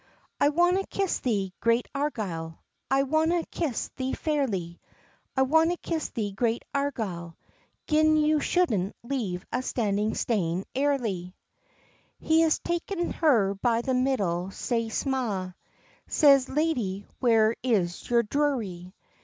"I wadna kiss thee, great Argyle, I wadna kiss thee fairly, I wadna kiss thee, great Argyle, Gin you shouldna leave a standing stane Airly." He has ta'en her by the middle sae sma', Says, "Lady, where is your drury?"